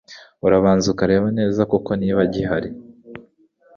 urabanza ukareba neza koko niba gihari